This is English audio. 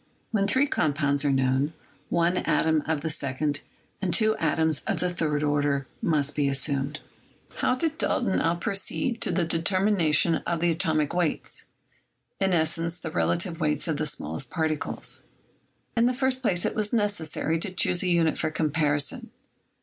When three compounds are known, one atom of the second and two atoms of the third order must be assumed. How did Dalton now proceed to the determination of the atomic weights — i.e., the relative weights of the small est particles? In the first place it was necessary to choose a unit for comparison.